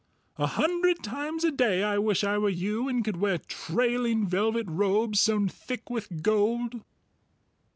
A hundred times a day I wish I were you and could wear trailing velvet robes sewn thick with gold!"